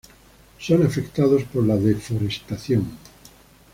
Son afectados por la deforestación.